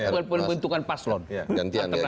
dan itu kepentingan paslon